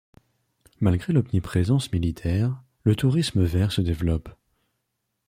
Malgré l’omniprésence militaire, le tourisme vert se développe.